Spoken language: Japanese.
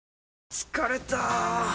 疲れた！